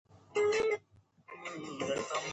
شخصي نفعه د اداري تصمیم بنسټ نه شي کېدای.